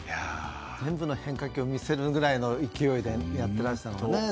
全部の変化球を見せるぐらいの勢いでやっていましたね。